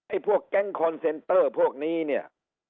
พวกแก๊งคอนเซนเตอร์พวกนี้เนี่ย